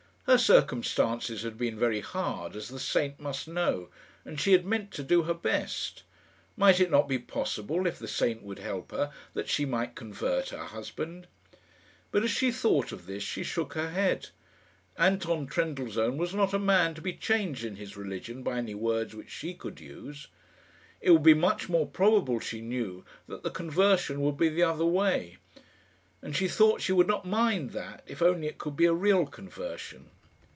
Her circumstances had been very hard, as the saint must know, and she had meant to do her best. Might it not be possible, if the saint would help her, that she might convert her husband? But as she thought of this, she shook her head. Anton Trendellsohn was not a man to be changed in his religion by any words which she could use. It would be much more probable, she knew, that the conversion would be the other way. And she thought she would not mind that, if only it could be a real conversion.